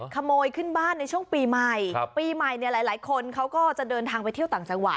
ขึ้นบ้านในช่วงปีใหม่ปีใหม่เนี่ยหลายคนเขาก็จะเดินทางไปเที่ยวต่างจังหวัด